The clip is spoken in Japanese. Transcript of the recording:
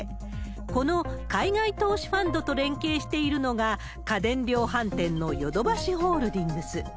この海外投資ファンドと連携しているのが、家電量販店のヨドバシホールディングス。